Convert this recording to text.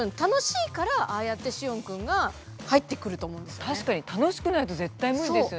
ただ確かに楽しくないと絶対無理ですよね。